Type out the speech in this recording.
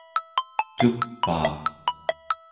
cupaa